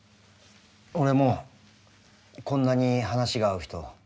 俺もこんなに話が合う人初めて。